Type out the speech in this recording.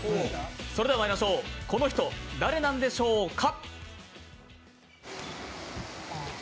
それではまいりましょうこの人、誰なんでしょうか？